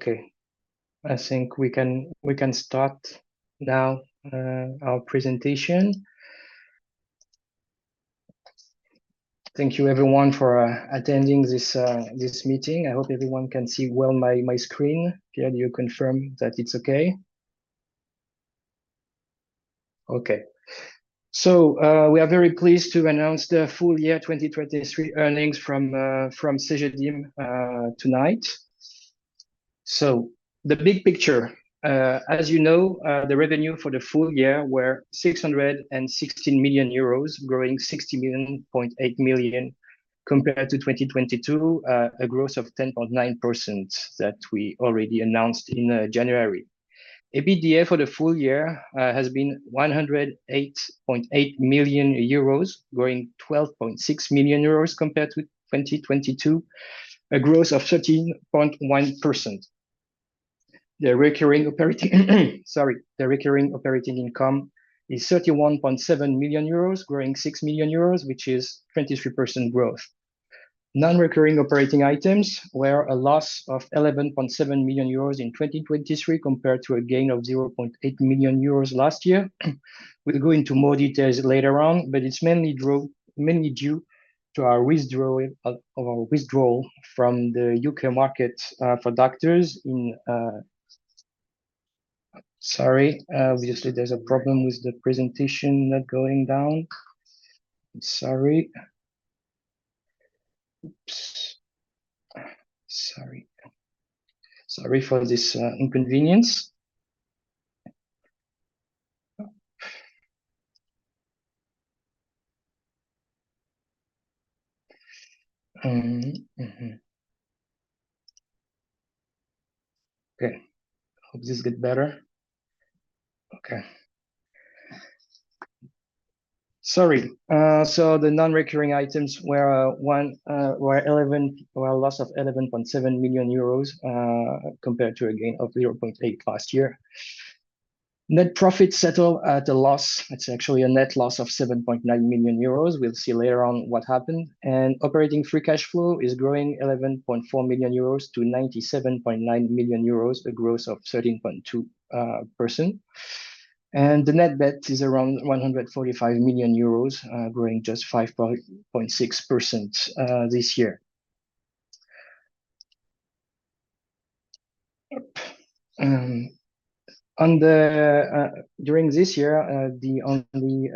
Okay, I think we can start now our presentation. Thank you, everyone, for attending this meeting. I hope everyone can see well my screen. Pierre, do you confirm that it's okay? Okay. So we are very pleased to announce the full year 2023 earnings from Cegedim tonight. So the big picture: as you know, the revenue for the full year were 616 million euros, growing 60.8 million compared to 2022, a growth of 10.9% that we already announced in January. EBITDA for the full year has been 108.8 million euros, growing 12.6 million euros compared to 2022, a growth of 13.1%. The recurring operating income is 31.7 million euros, growing 6 million euros, which is 23% growth. Non-recurring operating items were a loss of 11.7 million euros in 2023 compared to a gain of 0.8 million euros last year. We'll go into more details later on, but it's mainly due to our withdrawal from the UK market for doctors. Sorry, obviously there's a problem with the presentation not going down. Sorry. Oops. Sorry. Sorry for this inconvenience. Okay. Hope this gets better. Okay. Sorry. So the non-recurring items were a loss of 11.7 million euros compared to a gain of 0.8 million last year. Net profit settled at a loss. It's actually a net loss of 7.9 million euros. We'll see later on what happened. And operating free cash flow is growing 11.4 million euros to 97.9 million euros, a growth of 13.2%. And the net debt is around 145 million euros, growing just 5.6% this year. During this year, the only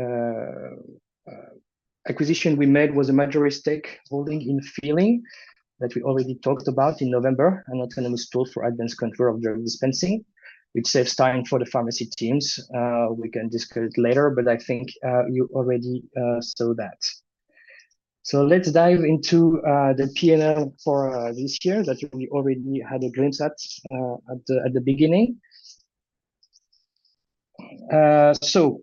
acquisition we made was a major stakeholding in Phealing that we already talked about in November, an autonomous tool for advanced control of drug dispensing, which saves time for the pharmacy teams. We can discuss it later, but I think you already saw that. So let's dive into the P&L for this year that we already had a glimpse at at the beginning. So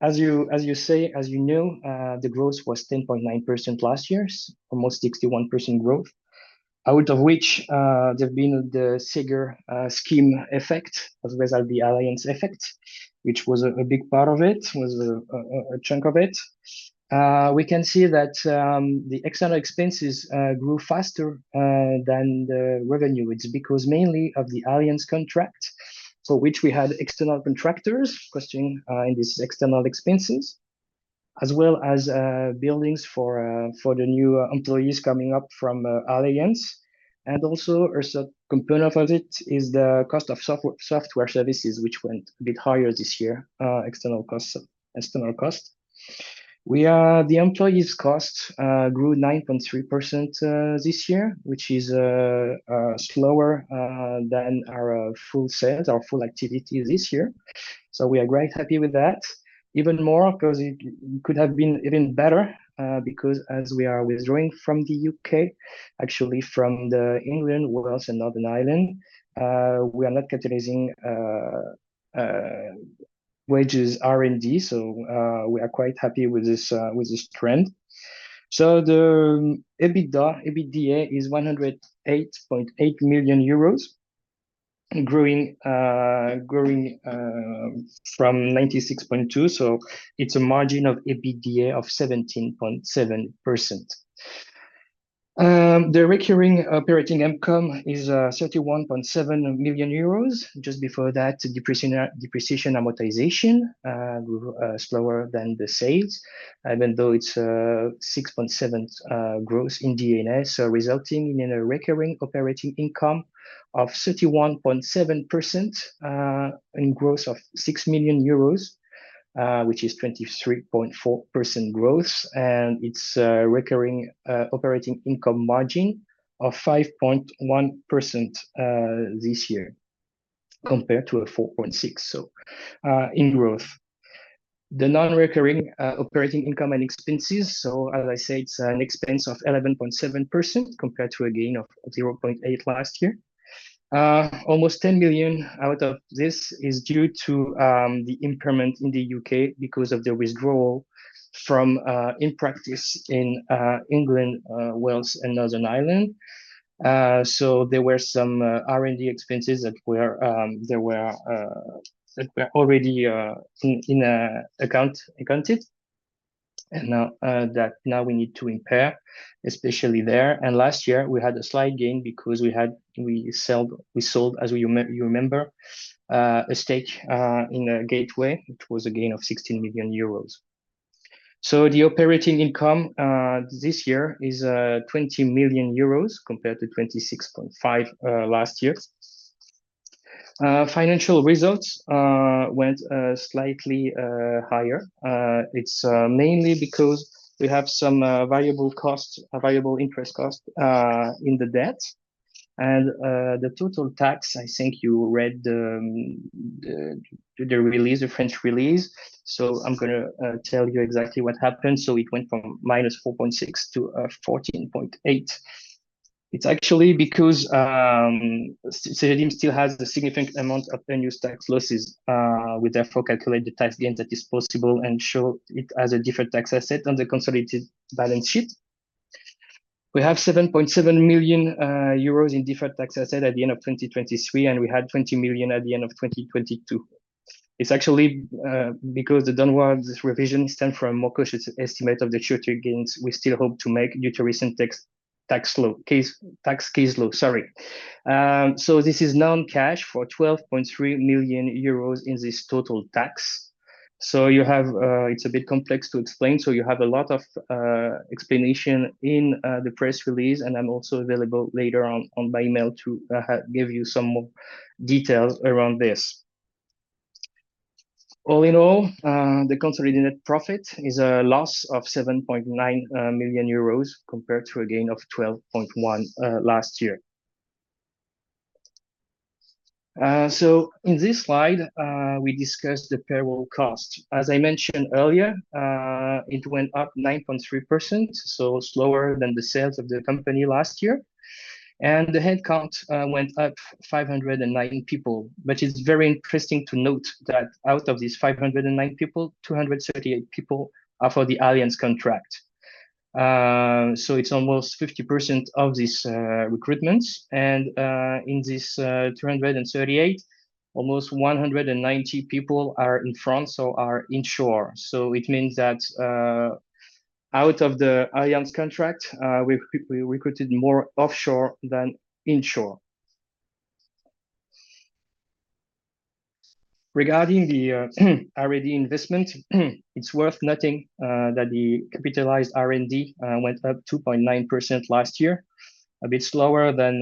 as you say, as you know, the growth was 10.9% last year, almost 61% growth, out of which there's been the Ségur scheme effect, as well as the Allianz effect, which was a big part of it, was a chunk of it. We can see that the external expenses grew faster than the revenue. It's because mainly of the Allianz contract, for which we had external contractors costing in these external expenses, as well as buildings for the new employees coming up from Allianz. And also a component of it is the cost of software services, which went a bit higher this year, external cost. The employees' cost grew 9.3% this year, which is slower than our full sales, our full activity this year. We are quite happy with that, even more because it could have been even better because as we are withdrawing from the UK, actually from England, Wales, and Northern Ireland, we are not capitalizing wages R&D. We are quite happy with this trend. The EBITDA is 108.8 million euros, growing from 96.2 million. It's a margin of EBITDA of 17.7%. The recurring operating income is 31.7 million euros, just before that, depreciation amortization grew slower than the sales, even though it's a 6.7% growth in D&A, resulting in a recurring operating income of 31.7% in growth of 6 million euros, which is 23.4% growth. It's a recurring operating income margin of 5.1% this year compared to a 4.6% in growth. The non-recurring operating income and expenses, so as I said, it's an expense of 11.7% compared to a gain of 0.8% last year. Almost 10 million out of this is due to the impairment in the UK because of the withdrawal from In Practice in England, Wales, and Northern Ireland. So there were some R&D expenses that were already accounted, and now we need to impair, especially there. Last year we had a slight gain because we sold, as you remember, a stake in Gateway. It was a gain of 16 million euros. So the operating income this year is 20 million euros compared to 26.5% last year. Financial results went slightly higher. It's mainly because we have some variable costs, variable interest costs in the debt. And the total tax, I think you read the release, the French release. So I'm going to tell you exactly what happened. So it went from -4.6% to 14.8%. It's actually because Cegedim still has a significant amount of unused tax losses. We therefore calculate the tax gain that is possible and show it as a deferred tax asset on the consolidated balance sheet. We have 7.7 million euros in deferred tax assets at the end of 2023, and we had 20 million at the end of 2022. It's actually because the downward revision stemmed from Marucchi's estimate of the further gains we still hope to make due to recent tax case law. Sorry. So this is non-cash for 12.3 million euros in this total tax. So it's a bit complex to explain. So you have a lot of explanation in the press release, and I'm also available later on by email to give you some more details around this. All in all, the consolidated net profit is a loss of 7.9 million euros compared to a gain of 12.1 million last year. In this slide, we discussed the payroll costs. As I mentioned earlier, it went up 9.3%, so slower than the sales of the company last year. The headcount went up 509 people. It's very interesting to note that out of these 509 people, 238 people are for the Allianz contract. It's almost 50% of these recruitments. In these 238, almost 190 people are in France, so are onshore. It means that out of the Allianz contract, we recruited more offshore than onshore. Regarding the R&D investment, it's worth noting that the capitalized R&D went up 2.9% last year, a bit slower than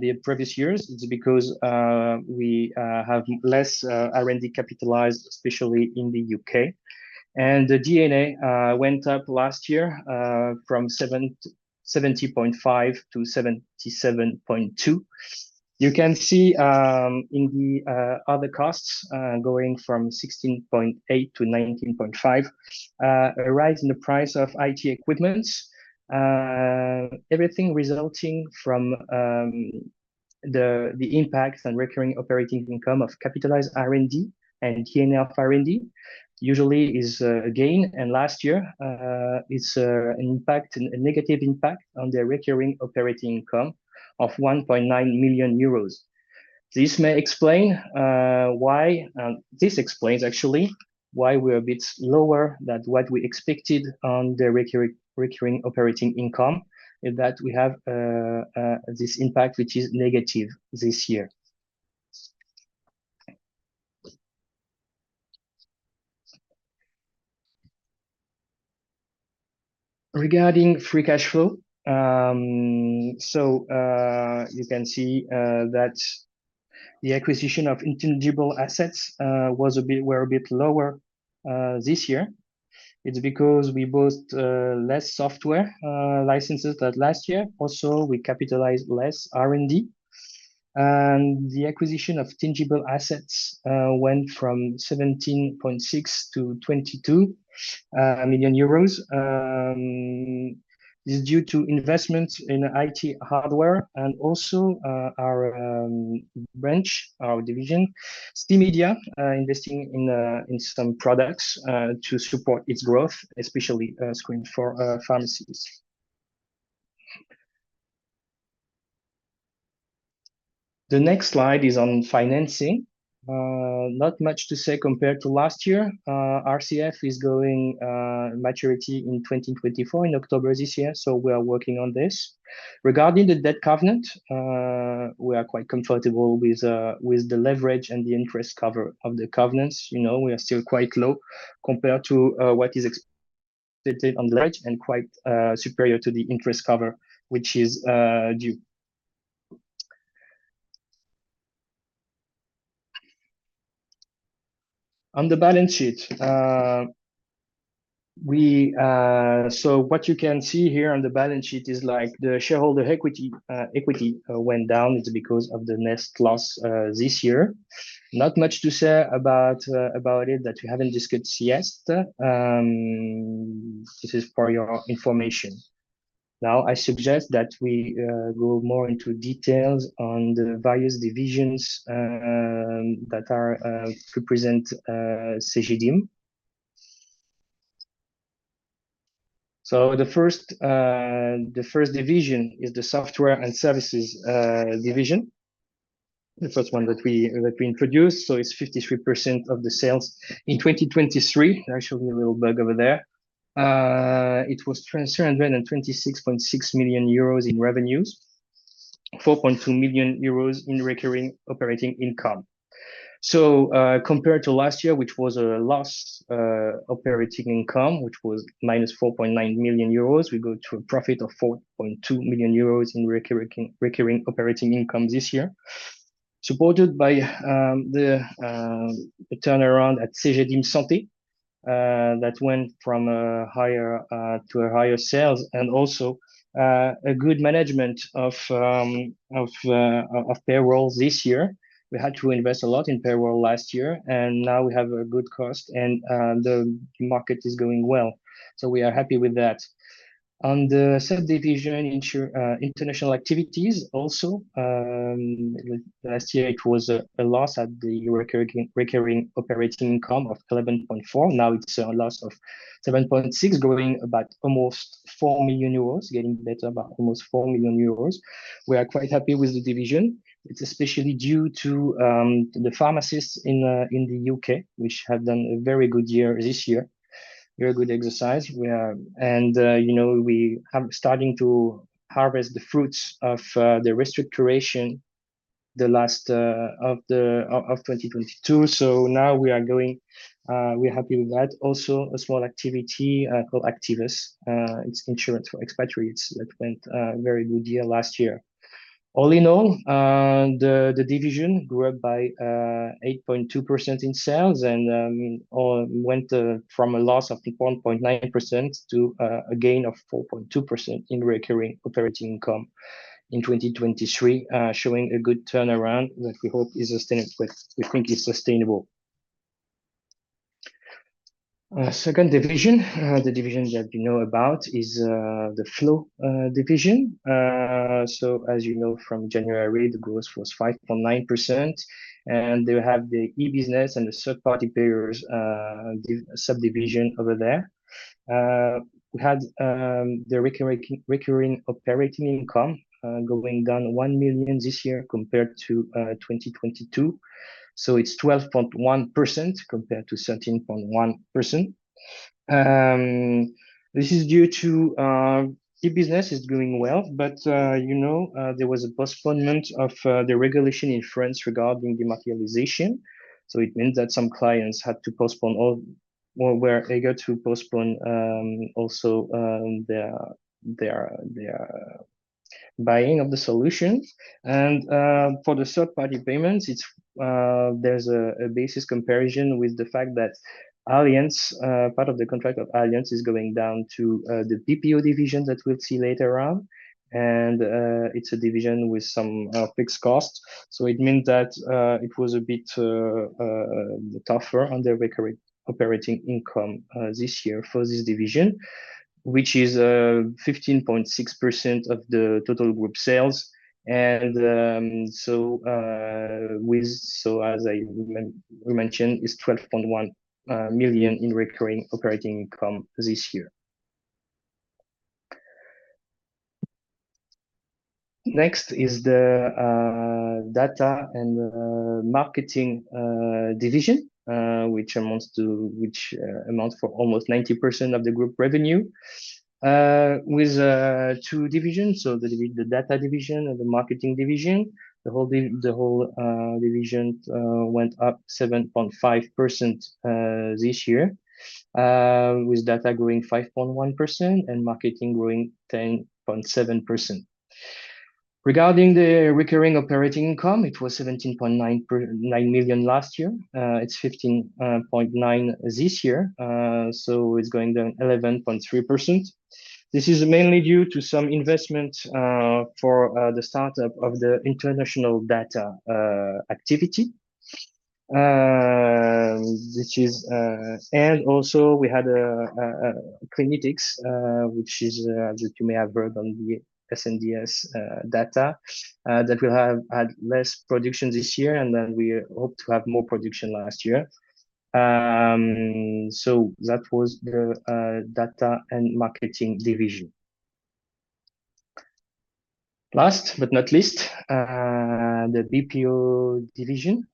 the previous years. It's because we have less R&D capitalized, especially in the UK. The D&A went up last year from 70.5% to 77.2%. You can see in the other costs going from 16.8% to 19.5% a rise in the price of IT equipment, everything resulting from the impact and recurring operating income of capitalized R&D and D&A R&D usually is a gain. Last year, it's an impact, a negative impact on the recurring operating income of 1.9 million euros. This may explain, actually, why we're a bit lower than what we expected on the recurring operating income, is that we have this impact, which is negative this year. Regarding free cash flow, you can see that the acquisition of intangible assets were a bit lower this year. It's because we bought less software licenses than last year. Also, we capitalized less R&D. And the acquisition of tangible assets went from 17.6 million to 22 million euros. This is due to investments in IT hardware and also our branch, our division, C-Media, investing in some products to support its growth, especially screens for pharmacies. The next slide is on financing. Not much to say compared to last year. RCF is going maturity in 2024, in October this year. So we are working on this. Regarding the debt covenant, we are quite comfortable with the leverage and the interest cover of the covenants. We are still quite low compared to what is expected on leverage and quite superior to the interest cover which is due. On the balance sheet, we see what you can see here on the balance sheet is like the shareholder equity went down. It's because of the net loss this year. Not much to say about it that we haven't discussed yet. This is for your information. Now, I suggest that we go more into details on the various divisions that represent Cegedim. So the first division is the software and services division. The first one that we introduced. So it's 53% of the sales. In 2023, there should be a little bug over there. It was 326.6 million euros in revenues, 4.2 million euros in recurring operating income. So compared to last year, which was a loss operating income, which was minus 4.9 million euros, we go to a profit of 4.2 million euros in recurring operating income this year, supported by the turnaround at Cegedim Santé that went from higher to higher sales and also a good management of payroll this year. We had to invest a lot in payroll last year, and now we have a good cost, and the market is going well. So we are happy with that. On the subdivision international activities also, last year it was a loss at the recurring operating income of 11.4 million. Now it's a loss of 7.6 million, growing about almost 4 million euros, getting better about almost 4 million euros. We are quite happy with the division. It's especially due to the pharmacists in the UK, which have done a very good year this year. Very good exercise. And we are starting to harvest the fruits of the restructuring of 2022. So now we are going we're happy with that. Also, a small activity called Activus. It's insurance for expatriates that went a very good year last year. All in all, the division grew up by 8.2% in sales and went from a loss of 1.9% to a gain of 4.2% in recurring operating income in 2023, showing a good turnaround that we hope is sustainable, we think is sustainable. Second division, the division that you know about is the flow division. So as you know from January, the growth was 5.9%. And they have the e-business and the third-party payers subdivision over there. We had the recurring operating income going down 1 million this year compared to 2022. So it's 12.1% compared to 13.1%. This is due to e-business is doing well, but you know there was a postponement of the regulation in France regarding dematerialization. So it meant that some clients had to postpone or were eager to postpone also their buying of the solution. And for the third-party payments, there's a basis comparison with the fact that Allianz, part of the contract of Allianz is going down to the BPO division that we'll see later on. And it's a division with some fixed costs. So it meant that it was a bit tougher on their recurring operating income this year for this division, which is 15.6% of the total group sales. And so as I mentioned, it's 12.1 million in recurring operating income this year. Next is the data and marketing division, which amounts to almost 90% of the group revenue with two divisions. So the data division and the marketing division, the whole division went up 7.5% this year with data growing 5.1% and marketing growing 10.7%. Regarding the recurring operating income, it was 17.9 million last year. It's 15.9% this year. So it's going down 11.3%. This is mainly due to some investment for the startup of the international data activity. And also, we had a Clinityx, which is that you may have heard on the SNDS data that we'll have had less production this year, and then we hope to have more production last year. So that was the data and marketing division. Last but not least, the BPO division.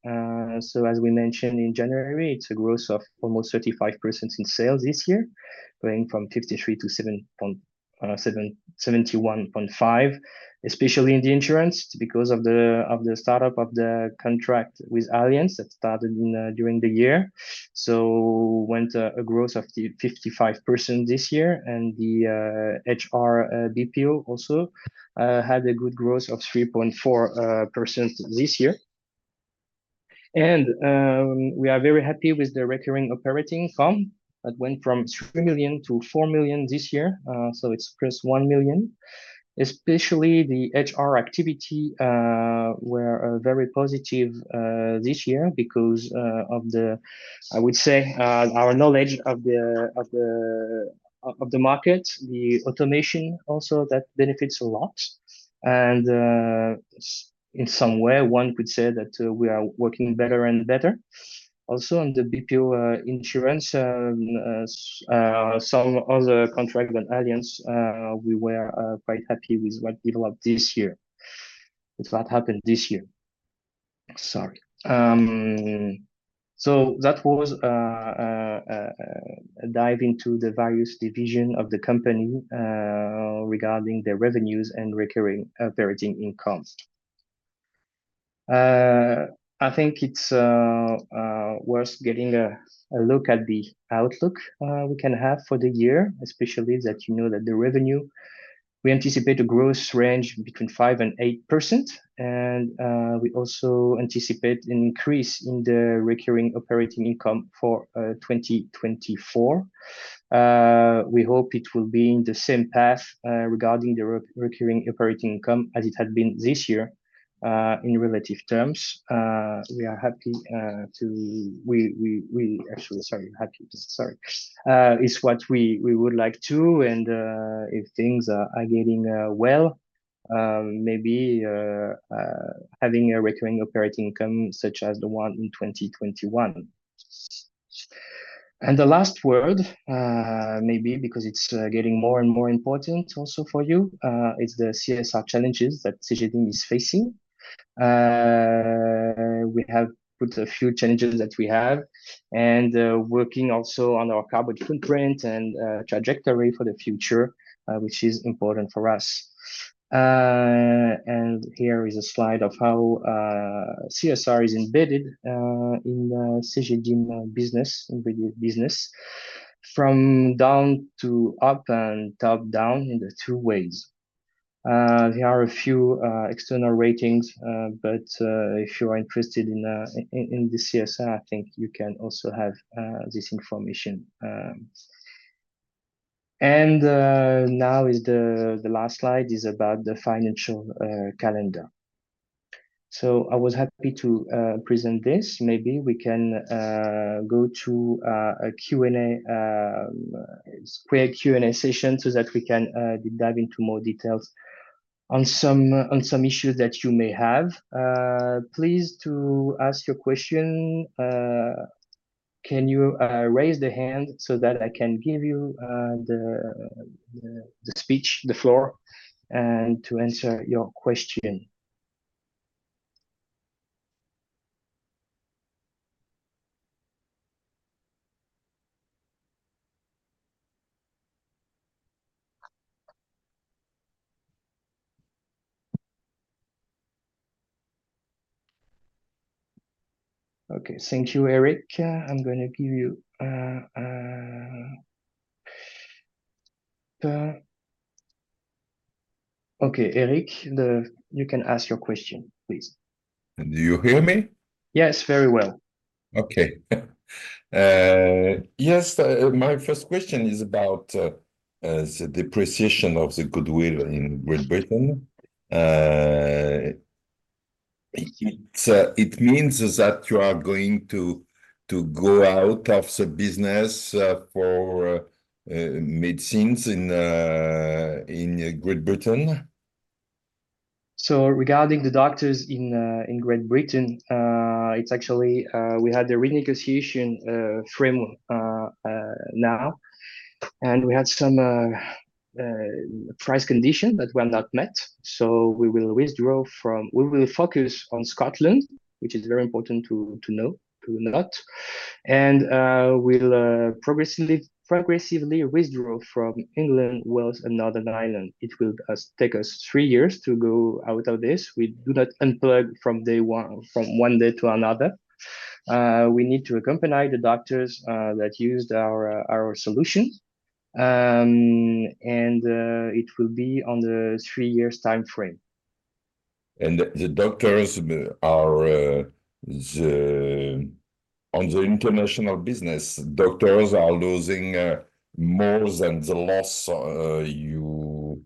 So as we mentioned in January, it's a growth of almost 35% in sales this year, going from 53%-71.5%, especially in the insurance, because of the startup of the contract with Allianz that started during the year. So went a growth of 55% this year. And the HR BPO also had a good growth of 3.4% this year. And we are very happy with the recurring operating income that went from 3 million to 4 million this year. So it's plus 1 million. Especially the HR activity were very positive this year because of the, I would say, our knowledge of the market, the automation also that benefits a lot. And in some way, one could say that we are working better and better. Also, on the BPO insurance, some other contract than Allianz, we were quite happy with what developed this year. It's what happened this year. Sorry. So that was a dive into the various division of the company regarding their revenues and recurring operating incomes. I think it's worth getting a look at the outlook we can have for the year, especially that you know that the revenue we anticipate a growth range between 5%-8%. And we also anticipate an increase in the recurring operating income for 2024. We hope it will be in the same path regarding the recurring operating income as it had been this year in relative terms. We are happy to, actually, sorry, happy. Sorry. It's what we would like to. If things are getting well, maybe having a recurring operating income such as the one in 2021. The last word, maybe, because it's getting more and more important also for you, it's the CSR challenges that Cegedim is facing. We have put a few challenges that we have and working also on our carbon footprint and trajectory for the future, which is important for us. Here is a slide of how CSR is embedded in the Cegedim business from down to up and top down in the two ways. There are a few external ratings. But if you are interested in the CSR, I think you can also have this information. And now the last slide is about the financial calendar. So I was happy to present this. Maybe we can go to a Q&A, a quick Q&A session so that we can dive into more details on some issues that you may have. Please to ask your question. Can you raise the hand so that I can give you the speech, the floor, and to answer your question? Okay. Thank you, Eric. I'm going to give you the okay, Eric, you can ask your question, please. And do you hear me? Yes, very well. Okay. Yes. My first question is about the depreciation of the goodwill in Great Britain. It means that you are going to go out of the business for medicines in Great Britain? So regarding the doctors in Great Britain, it's actually we had the renegotiation timeframe now. We had some price conditions that were not met. So we will withdraw from; we will focus on Scotland, which is very important to note. We'll progressively withdraw from England, Wales, and Northern Ireland. It will take us three years to go out of this. We do not unplug from one day to another. We need to accompany the doctors that used our solution. It will be on the three-year time frame. The doctors are on the international business. Doctors are losing more than the loss you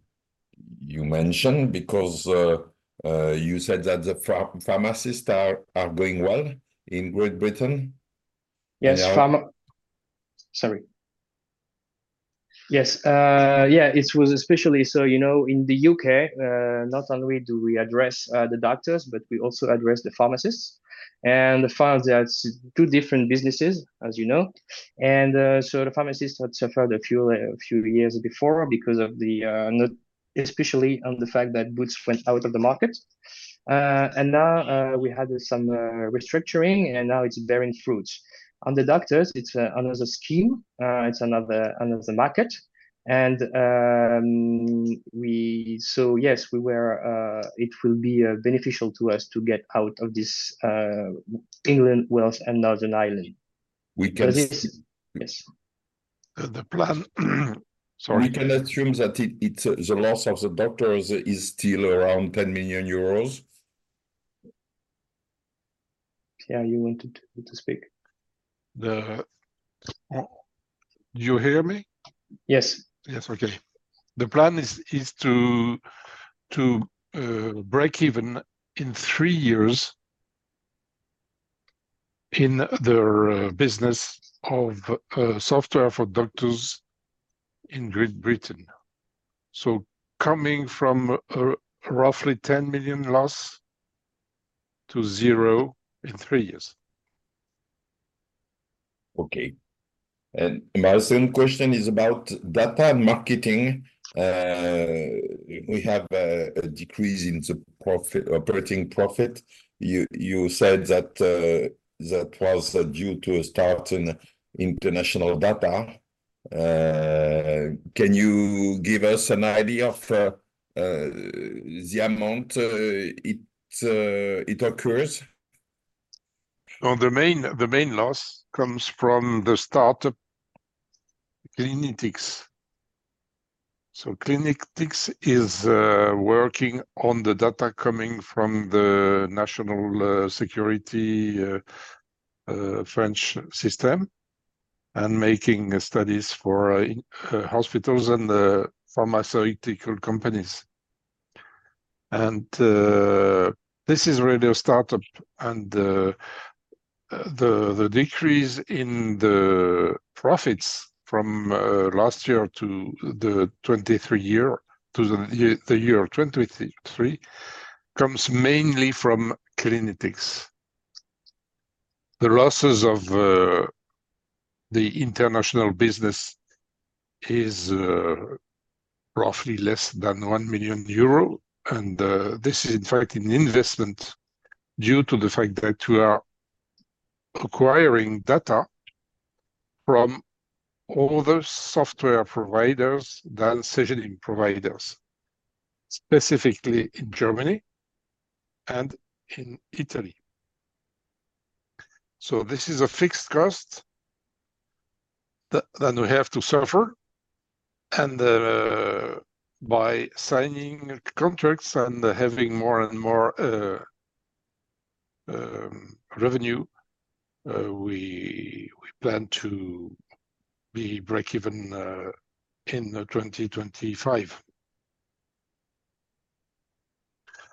mentioned because you said that the pharmacists are going well in Great Britain. Yes. Sorry. Yes. Yeah. It was especially so in the UK, not only do we address the doctors, but we also address the pharmacists. And the pharmacy has two different businesses, as you know. And so the pharmacists had suffered a few years before because of the especially on the fact that goods went out of the market. And now we had some restructuring, and now it's bearing fruits. On the doctors, it's another scheme. It's another market. And so yes, it will be beneficial to us to get out of this England, Wales, and Northern Ireland. We can. Yes. We can assume that the loss of the doctors is still around 10 million euros. Yeah. You wanted to speak. Do you hear me? Yes. Yes. Okay. The plan is to break even in three years in their business of software for doctors in Great Britain. So coming from roughly 10 million loss to zero in three years. Okay. And my second question is about data and marketing. We have a decrease in the operating profit. You said that that was due to a start in international data. Can you give us an idea of the amount it occurs? The main loss comes from the startup Clinityx. Clinityx is working on the data coming from the national health French system and making studies for hospitals and pharmaceutical companies. This is really a startup. The decrease in the profits from last year to the 2023 year to the year 2023 comes mainly from Clinityx. The losses of the international business is roughly less than 1 million euro. This is, in fact, an investment due to the fact that we are acquiring data from other software providers than Cegedim providers, specifically in Germany and in Italy. This is a fixed cost that we have to suffer. By signing contracts and having more and more revenue, we plan to be break-even in 2025.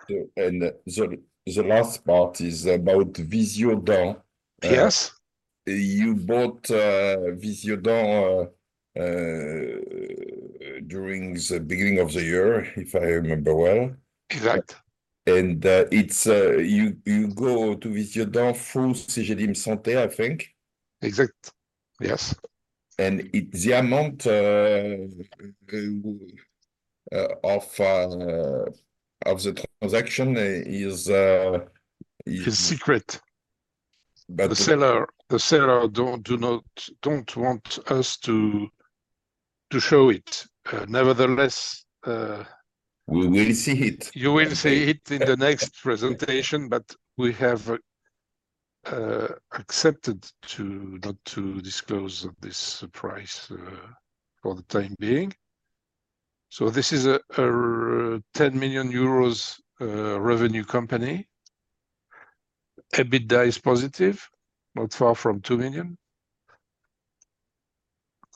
The last part is about Visiodent. Yes. You bought Visiodent during the beginning of the year, if I remember well. Exact. You go to Visiodent through Cegedim Santé, I think. Exact. Yes. The amount of the transaction is. It's secret. The seller do not want us to show it. Nevertheless. We will see it. You will see it in the next presentation, but we have accepted not to disclose this price for the time being. So this is a 10 million euros revenue company. EBITDA is positive, not far from 2 million.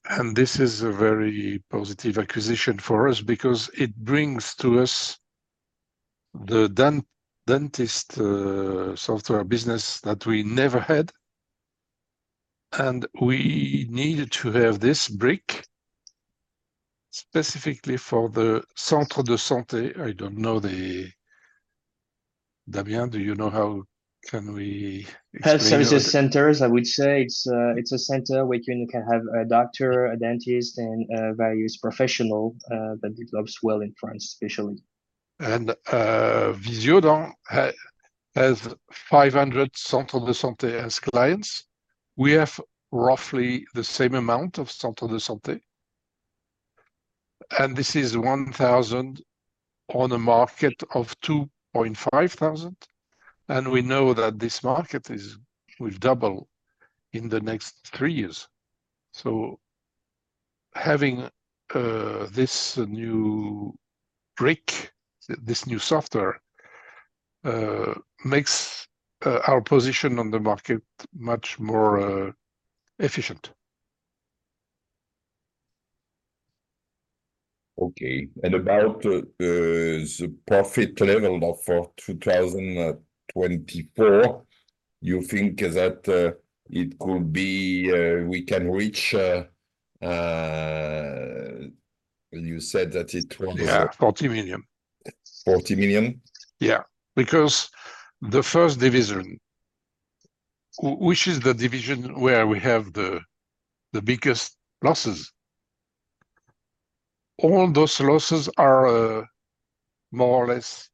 And this is a very positive acquisition for us because it brings to us the dentist software business that we never had. And we needed to have this brick specifically for the Centre de Santé. I don't know, Damien, do you know how can we explain? Health services centers, I would say. It's a center where you can have a doctor, a dentist, and various professionals that develop well in France, especially. Visiodent has 500 centres de santé as clients. We have roughly the same amount of centres de santé. This is 1,000 on a market of 2,500. We know that this market will double in the next 3 years. So having this new brick, this new software makes our position on the market much more efficient. Okay. And about the profit level for 2024, you think that it could be we can reach you said that it. Yeah, 40 million. 40 million? Yeah. Because the first division, which is the division where we have the biggest losses, all those losses are more or less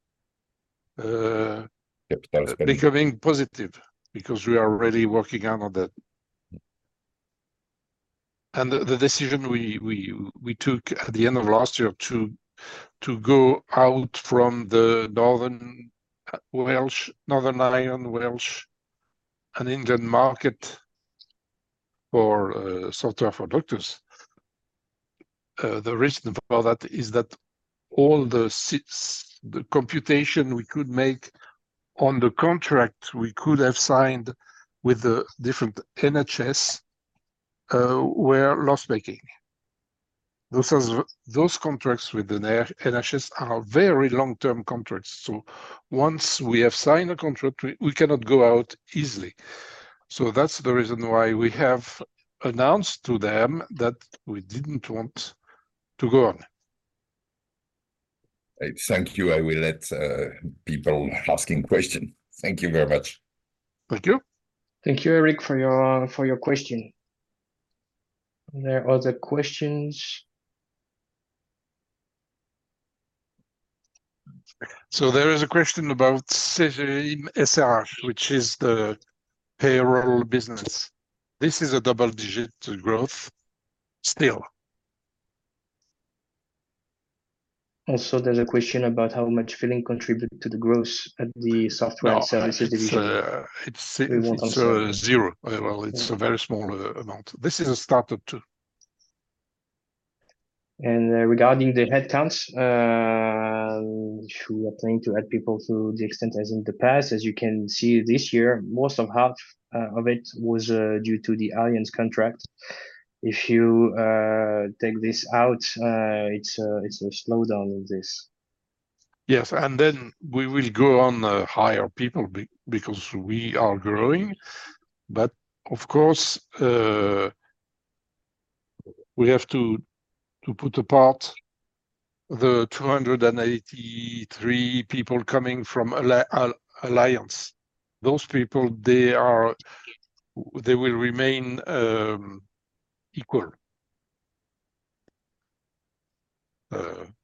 becoming positive because we are really working on that. And the decision we took at the end of last year to go out from the Northern Ireland, Wales, and England market for software for doctors, the reason for that is that all the computation we could make on the contract we could have signed with the different NHS were loss-making. Those contracts with the NHS are very long-term contracts. So once we have signed a contract, we cannot go out easily. So that's the reason why we have announced to them that we didn't want to go on. Thank you. I will let people asking questions. Thank you very much. Thank you. Thank you, Eric, for your question. Are there other questions? So there is a question about SRH, which is the payroll business. This is a double-digit growth still. Also, there's a question about how much Phealing contributes to the growth at the software and services division. It's zero. Well, it's a very small amount. This is a startup too. Regarding the headcounts, if we are planning to add people to the extent as in the past, as you can see this year, most of half of it was due to the Allianz contract. If you take this out, it's a slowdown in this. Yes. And then we will go on to hire people because we are growing. But of course, we have to put apart the 283 people coming from Allianz. Those people, they will remain equal.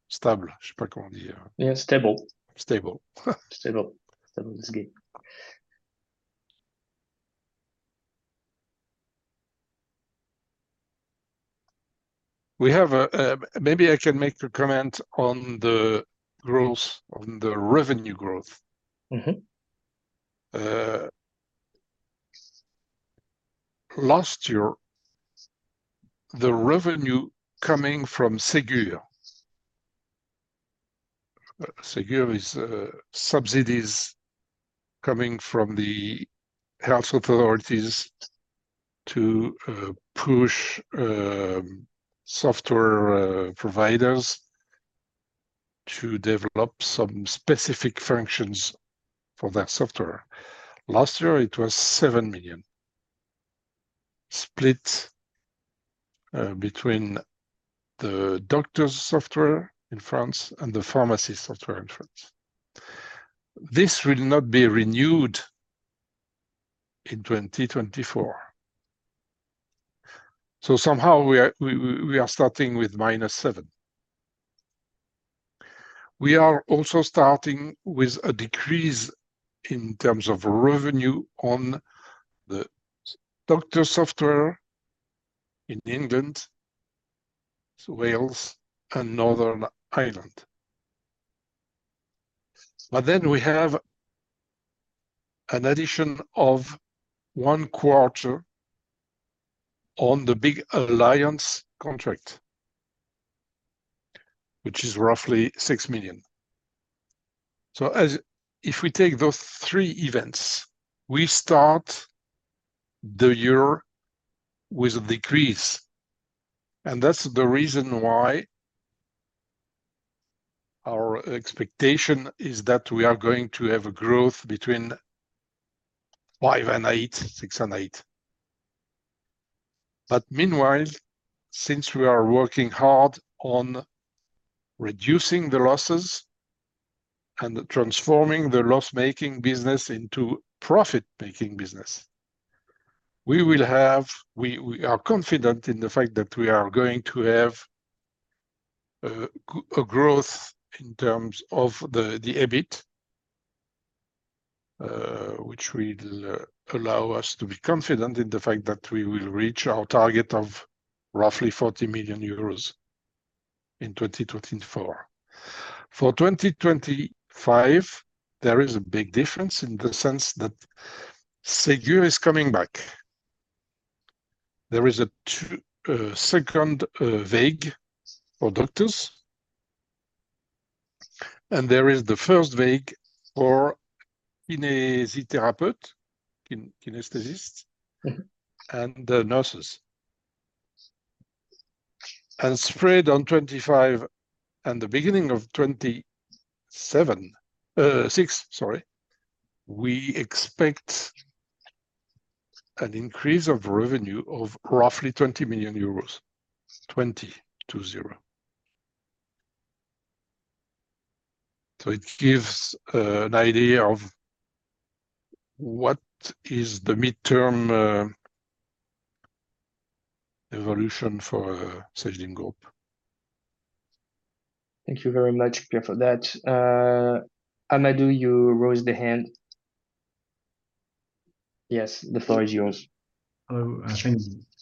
Stable. I don't know how to say. Yeah, stable. Stable. Stable. Stable. It's good. Maybe I can make a comment on the revenue growth. Last year, the revenue coming from Ségur is subsidies coming from the health authorities to push software providers to develop some specific functions for their software. Last year, it was 7 million split between the doctors' software in France and the pharmacy software in France. This will not be renewed in 2024. So somehow, we are starting with minus 7 million. We are also starting with a decrease in terms of revenue on the doctor software in England, Wales, and Northern Ireland. But then we have an addition of one quarter on the big Allianz contract, which is roughly 6 million. So if we take those three events, we start the year with a decrease. And that's the reason why our expectation is that we are going to have a growth between 5%-8%, 6%-8%. But meanwhile, since we are working hard on reducing the losses and transforming the loss-making business into profit-making business, we are confident in the fact that we are going to have a growth in terms of the EBIT, which will allow us to be confident in the fact that we will reach our target of roughly 40 million euros in 2024. For 2025, there is a big difference in the sense that Ségur is coming back. There is a second wave for doctors. And there is the first wave for kinesiotherapists, kinesiotherapists, and nurses. And spread on 2025 and the beginning of 2026, sorry. We expect an increase of revenue of roughly 20 million euros, 20-30. So it gives an idea of what is the midterm evolution for Cegedim Group. Thank you very much, Pierre, for that. Amadou, you raised the hand. Yes, the floor is yours. Hello.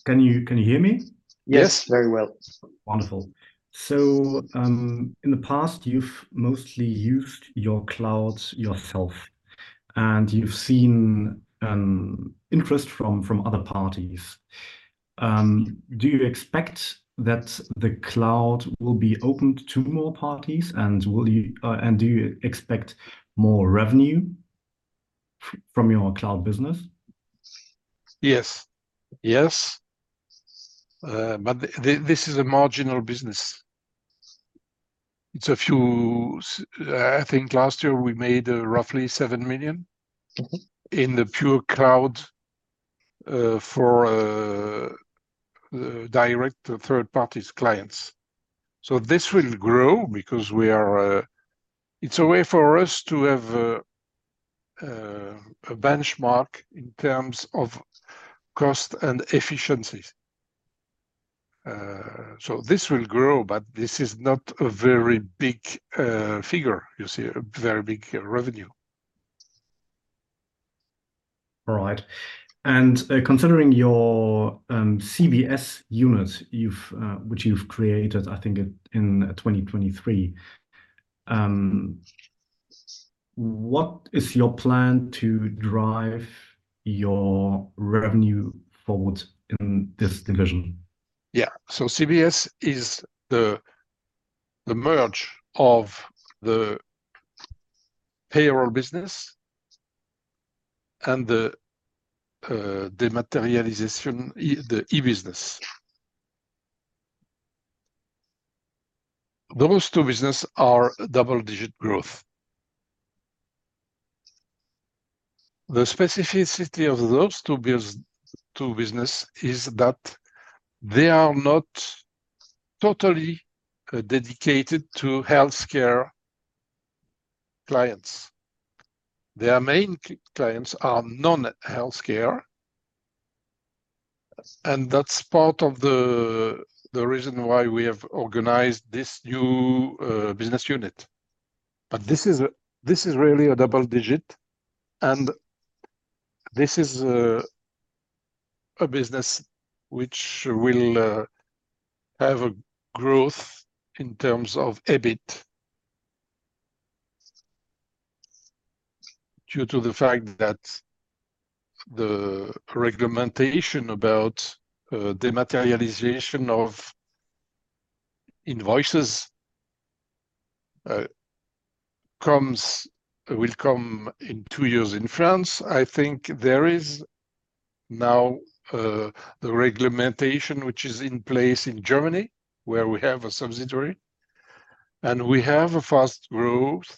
Can you hear me? Yes, very well. Wonderful. So in the past, you've mostly used your clouds yourself. And you've seen interest from other parties. Do you expect that the cloud will be opened to more parties? And do you expect more revenue from your cloud business? Yes. Yes. But this is a marginal business. I think last year, we made roughly 7 million in the pure cloud for direct third-party clients. So this will grow because we are, it's a way for us to have a benchmark in terms of cost and efficiency. So this will grow, but this is not a very big figure, you see, a very big revenue. All right. Considering your CBS units, which you've created, I think, in 2023, what is your plan to drive your revenue forward in this division? Yeah. So CBS is the merger of the payroll business and the e-business. Those two businesses are double-digit growth. The specificity of those two businesses is that they are not totally dedicated to healthcare clients. Their main clients are non-healthcare. And that's part of the reason why we have organized this new business unit. But this is really a double-digit. And this is a business which will have a growth in terms of EBIT due to the fact that the regulation about dematerialization of invoices will come in two years in France. I think there is now the regulation which is in place in Germany, where we have a subsidiary. And we have a fast growth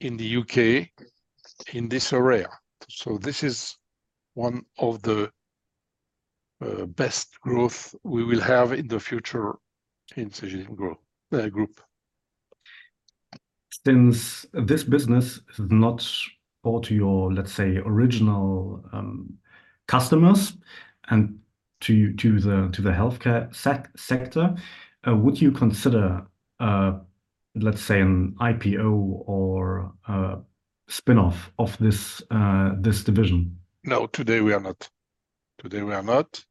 in the UK in this area. So this is one of the best growths we will have in the future in Cegedim Group. Since this business is not for your, let's say, original customers and to the healthcare sector, would you consider, let's say, an IPO or spinoff of this division? No, today we are not. Today we are not.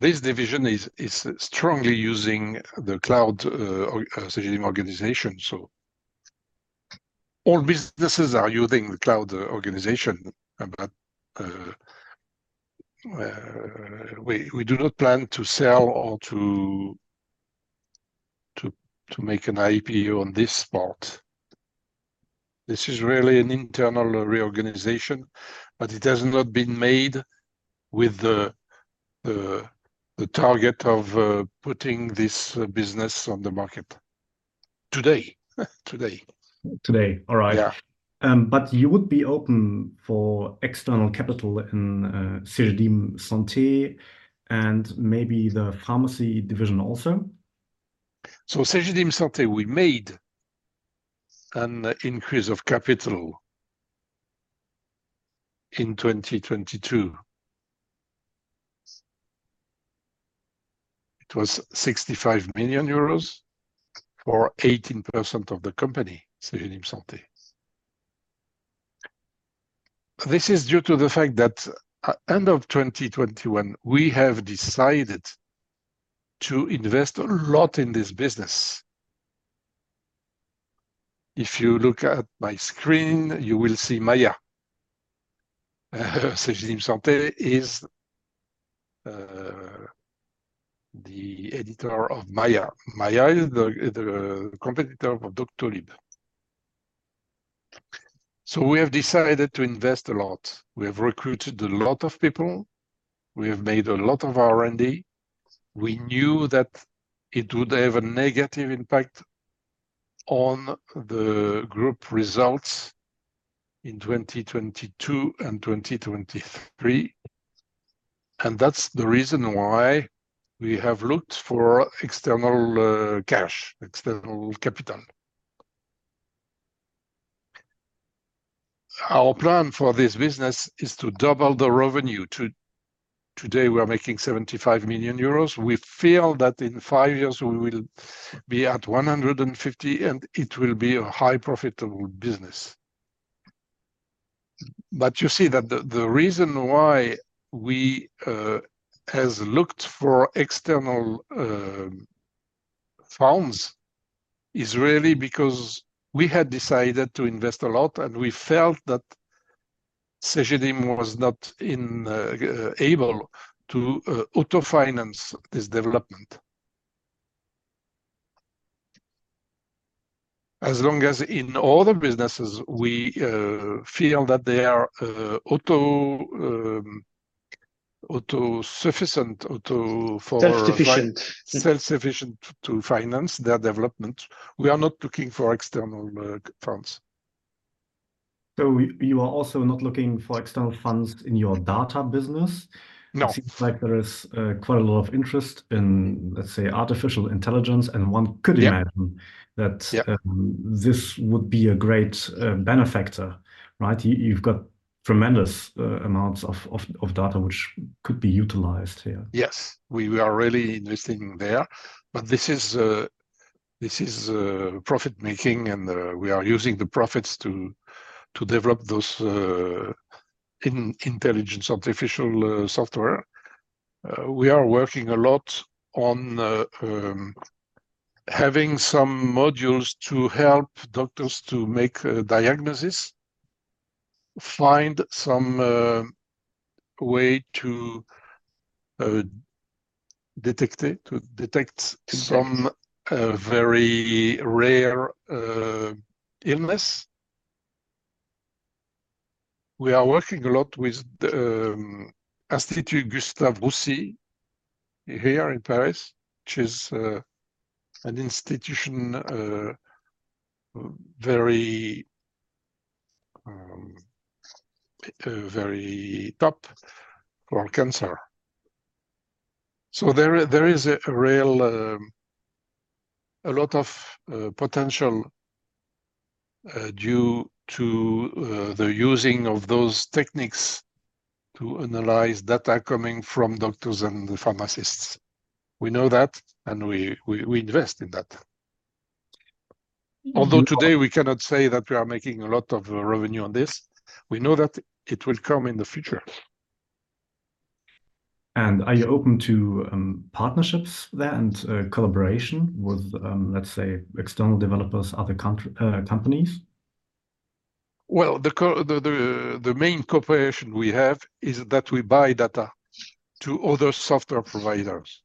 This division is strongly using the Cloud Cegedim organization. So all businesses are using the Cloud organization. But we do not plan to sell or to make an IPO on this part. This is really an internal reorganization. But it has not been made with the target of putting this business on the market today. Today. All right. But you would be open for external capital in Cegedim Santé and maybe the pharmacy division also? So Cegedim Santé, we made an increase of capital in 2022. It was 65 million euros for 18% of the company, Cegedim Santé. This is due to the fact that at the end of 2021, we have decided to invest a lot in this business. If you look at my screen, you will see Maiia. Cegedim Santé is the editor of Maiia. Maiia is the competitor of Doctolib. So we have decided to invest a lot. We have recruited a lot of people. We have made a lot of R&D. We knew that it would have a negative impact on the group results in 2022 and 2023. And that's the reason why we have looked for external cash, external capital. Our plan for this business is to double the revenue. Today, we are making 75 million euros. We feel that in five years, we will be at 150, and it will be a highly profitable business. But you see that the reason why we have looked for external funds is really because we had decided to invest a lot, and we felt that Cegedim was not able to autofinance this development. As long as in all the businesses, we feel that they are autosufficient for. Self-sufficient. Self-sufficient to finance their development. We are not looking for external funds. You are also not looking for external funds in your data business? No. It seems like there is quite a lot of interest in, let's say, artificial intelligence. One could imagine that this would be a great benefactor, right? You've got tremendous amounts of data, which could be utilized here. Yes. We are really investing there. But this is profit-making, and we are using the profits to develop those artificial intelligence software. We are working a lot on having some modules to help doctors to make diagnoses, find some way to detect some very rare illness. We are working a lot with Institut Gustave Roussy here in Paris, which is an institution very top for cancer. So there is a lot of potential due to the using of those techniques to analyze data coming from doctors and pharmacists. We know that, and we invest in that. Although today, we cannot say that we are making a lot of revenue on this, we know that it will come in the future. Are you open to partnerships there and collaboration with, let's say, external developers, other companies? Well, the main cooperation we have is that we buy data to other software providers.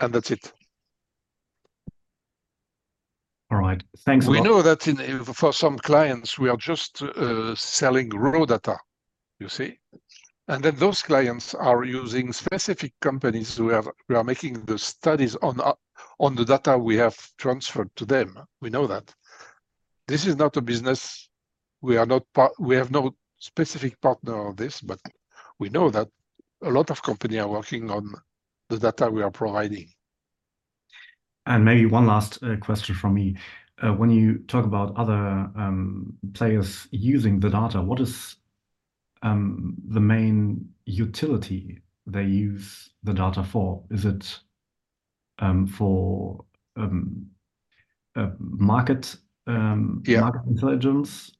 That's it. All right. Thanks a lot. We know that for some clients, we are just selling raw data, you see? And then those clients are using specific companies who are making the studies on the data we have transferred to them. We know that. This is not a business we have no specific partner on this, but we know that a lot of companies are working on the data we are providing. Maybe one last question from me. When you talk about other players using the data, what is the main utility they use the data for? Is it for market intelligence?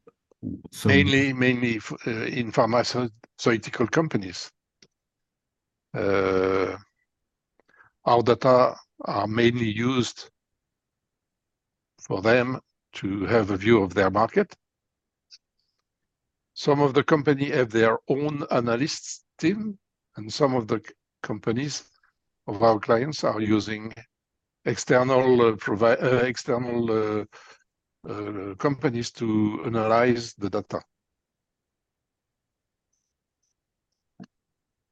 Mainly in pharmaceutical companies. Our data are mainly used for them to have a view of their market. Some of the companies have their own analysts' team, and some of the companies of our clients are using external companies to analyze the data.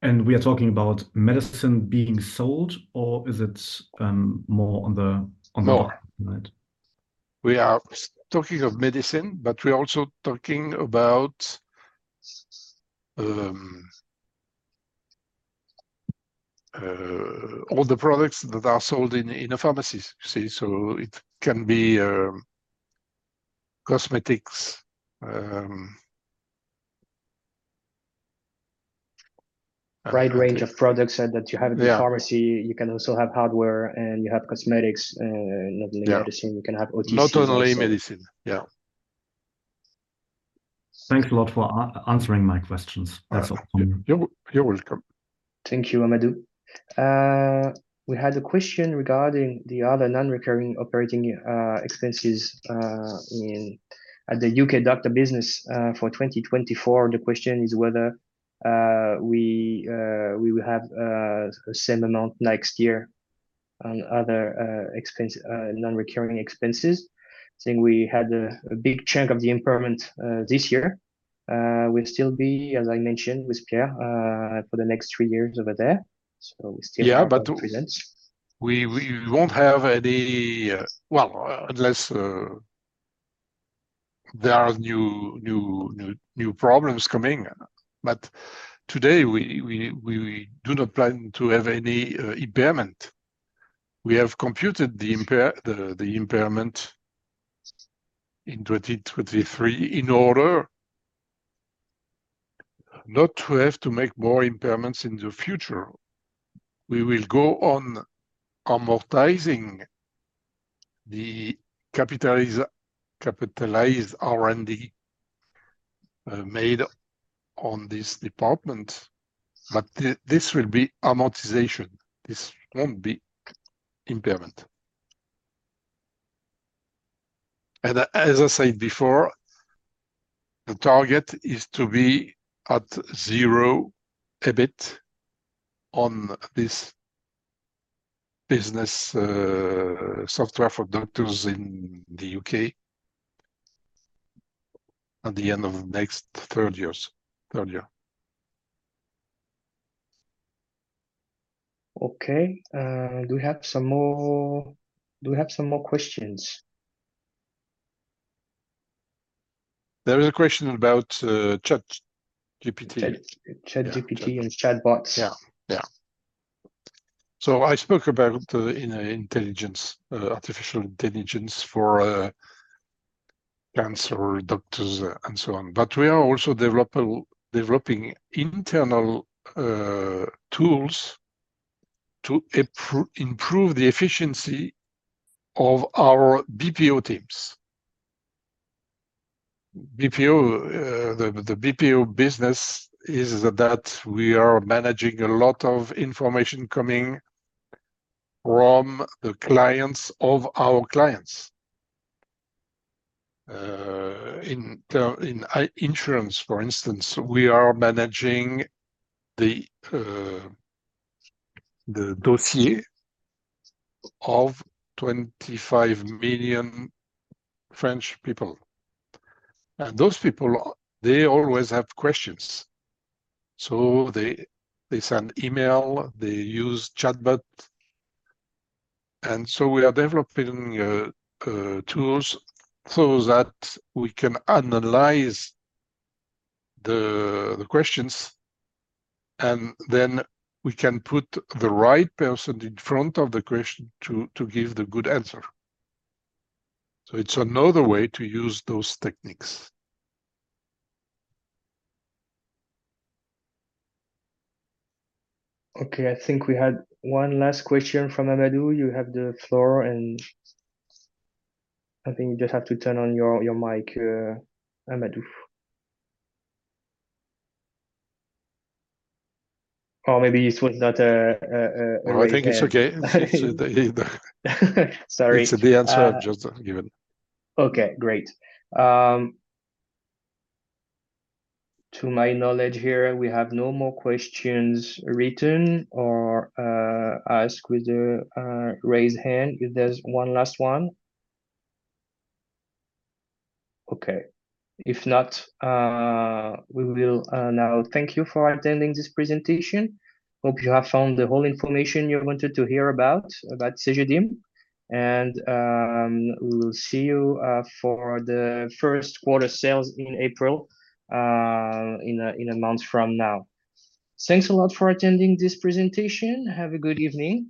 We are talking about medicine being sold, or is it more on the market, right? No. We are talking of medicine, but we are also talking about all the products that are sold in a pharmacy, you see? So it can be cosmetics. Wide range of products that you have in the pharmacy. You can also have hardware, and you have cosmetics. Not only medicine. You can have OTC. Not only medicine. Yeah. Thanks a lot for answering my questions. That's all from me. You're welcome. Thank you, Amadou. We had a question regarding the other non-recurring operating expenses at the U.K. doctor business for 2024. The question is whether we will have the same amount next year on other non-recurring expenses. I think we had a big chunk of the impairment this year. We'll still be, as I mentioned with Pierre, for the next three years over there. So we still have to present. Yeah. But we won't have any, well, unless there are new problems coming. But today, we do not plan to have any impairment. We have computed the impairment in 2023 in order not to have to make more impairments in the future. We will go on amortizing the capitalized R&D made on this department. But this will be amortization. This won't be impairment. And as I said before, the target is to be at zero EBIT on this business software for doctors in the U.K. at the end of next third year. Okay. Do we have some more questions? There is a question about ChatGPT. ChatGPT and chatbots. Yeah. Yeah. So I spoke about artificial intelligence for cancer doctors and so on. But we are also developing internal tools to improve the efficiency of our BPO teams. The BPO business is that we are managing a lot of information coming from the clients of our clients. In insurance, for instance, we are managing the dossier of 25 million French people. And those people, they always have questions. So they send email. They use chatbot. And so we are developing tools so that we can analyze the questions. And then we can put the right person in front of the question to give the good answer. So it's another way to use those techniques. Okay. I think we had one last question from Amadou. You have the floor. I think you just have to turn on your mic, Amadou. Or maybe it was not ready. Oh, I think it's okay. Sorry. It's the answer I've just given. Okay. Great. To my knowledge here, we have no more questions written or asked with a raised hand. If there's one last one. Okay. If not, we will now thank you for attending this presentation. Hope you have found the whole information you wanted to hear about Cegedim. We will see you for the first quarter sales in April in a month from now. Thanks a lot for attending this presentation. Have a good evening.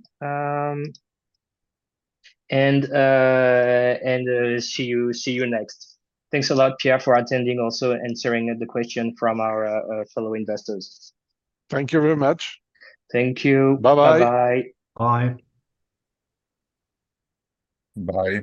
See you next. Thanks a lot, Pierre, for attending also and sharing the question from our fellow investors. Thank you very much. Thank you. Bye-bye. Bye-bye. Bye. Bye.